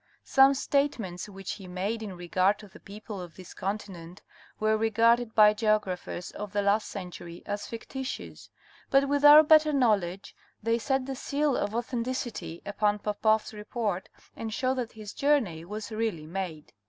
Some statements which he made in regard to the people of this continent were regarded by geographers of the last century as fictitious, but with our better knowledge, they set the seal of authenticity upon Popoff's report and show that his journey was really made.